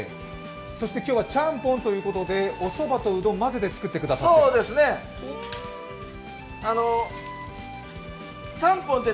ちゃんぽんということでおそばとうどんを混ぜて作ってくださっていると。